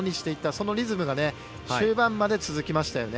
そのリズムが終盤まで続きましたよね。